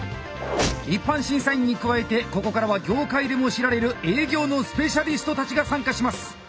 一般審査員に加えてここからは業界でも知られる営業のスペシャリストたちが参加します。